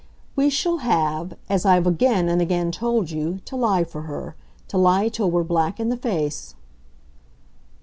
"We shall have, as I've again and again told you, to lie for her to lie till we're black in the face."